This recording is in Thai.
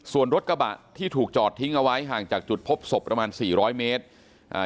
ส่วนรถกระบะที่ถูกจอดทิ้งเอาไว้ห่างจากจุดพบศพประมาณสี่ร้อยเมตรอ่า